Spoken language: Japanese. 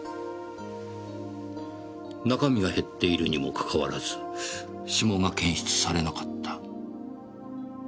中身が減っているにもかかわらず指紋が検出されなかった。